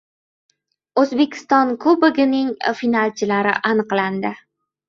O‘zbekiston Kubogining finalchilari aniqlandi